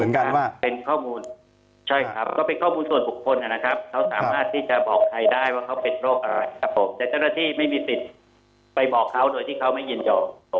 แต่เจ้าหน้าที่ไม่มีสิทธิ์ไปบอกเขาโดยที่เขาไม่เย็นเจาะ